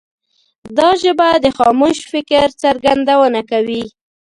دا ژبه د خاموش فکر څرګندونه کوي.